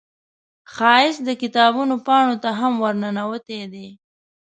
ښایست د کتابونو پاڼو ته هم ورننوتی دی